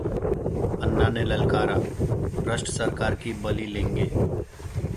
अन्ना ने ललकारा, भ्रष्ट सरकार की बलि लेंगे